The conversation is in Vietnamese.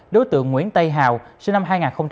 đối tượng nguyễn tây hào sinh năm hai nghìn